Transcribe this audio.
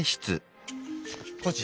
コーチ！